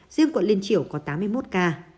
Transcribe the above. riêng quận liên triểu có tám mươi một ca